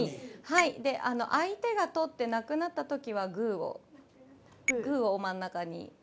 相手が取ってなくなったときはグーを真ん中に。